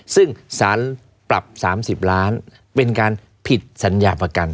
ซึ่งสารปรับ๓๐ล้านเป็นการผิดสัญญาประกัน